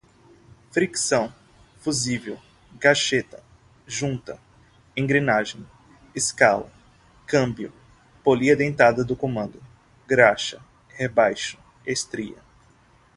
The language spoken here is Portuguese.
fricção, fusível, gaxeta, junta, engrenagem, escala, câmbio, polia dentada do comando, graxa, rebaixo, estria